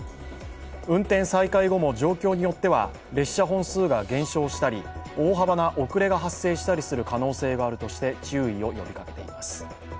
運転再開後も状況によっては列車本数が減少したり大幅な遅れが発生したりする可能性があるとして注意を呼びかけています。